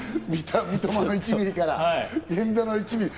「三笘の１ミリ」から「源田の１ミリ」。